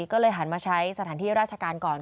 ก็เลยหันมาใช้สถานที่ราชการก่อน